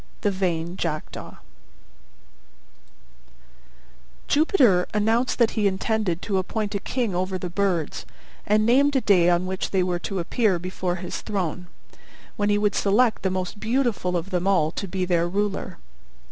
THE VAIN JACKDAW Jupiter announced that he intended to appoint a king over the birds, and named a day on which they were to appear before his throne, when he would select the most beautiful of them all to be their ruler.